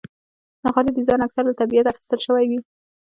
د غالۍ ډیزاین اکثره له طبیعت اخیستل شوی وي.